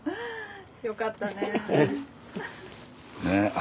よかったねえ。